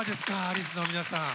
アリスの皆さん。